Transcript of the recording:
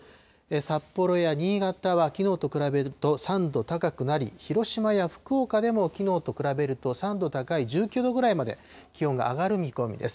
札幌や新潟はきのうと比べると３度高くなり、広島や福岡でもきのうと比べると３度高い１９度ぐらいまで気温が上がる見込みです。